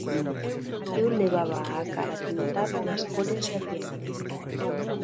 Eu levaba a cara pintada das cores da pena.